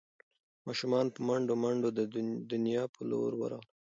ماشومان په منډو منډو د نیا په لور ورغلل.